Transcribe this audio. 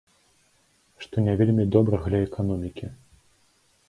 Што не вельмі добра для эканомікі.